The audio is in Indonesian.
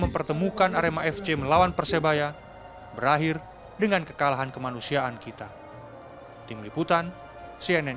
mempertemukan arema fc melawan persebaya berakhir dengan kekalahan kemanusiaan kita tim liputan cnn